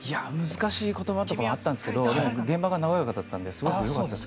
難しい言葉とかもあったんですけど現場が和やかだったのですごくよかったです。